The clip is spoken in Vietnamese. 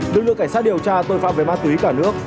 lực lượng cảnh sát điều tra tội phạm về ma túy cả nước